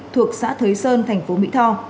thuộc xã thới sơn thành phố mỹ tho